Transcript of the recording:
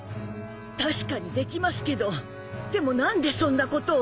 確かにできますけどでも何でそんなことを。